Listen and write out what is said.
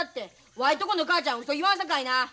わいとこの母ちゃんうそ言わんさかいな。